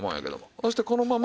そしてこのまま。